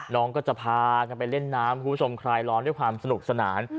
น้องก็จะพากันไปเล่นน้ำคุณผู้ชมคลายร้อนด้วยความสนุกสนาน